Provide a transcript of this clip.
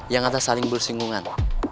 yang ada saling bersinggungan